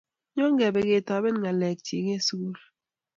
nyo kebe ketoben ngalek chi eng sukul.